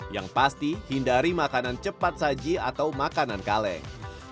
yang pasti hindari makanan cepat saji atau makanan kaleng